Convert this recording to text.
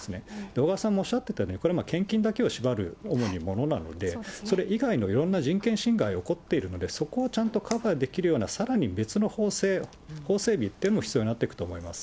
小川さんもおっしゃっていたように、これ、献金だけを縛る、主にものなので、それ以外の、いろんな人権侵害起こっているんで、そこをちゃんとカバーできるような、さらに別の法整備というのも必要になっていくと思います。